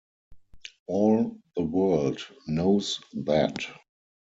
All the world knows that.